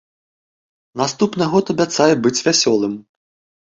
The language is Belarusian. Наступны год абяцае быць вясёлым.